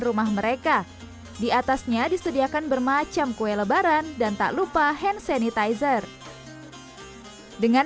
rumah mereka diatasnya disediakan bermacam kue lebaran dan tak lupa hand sanitizer dengan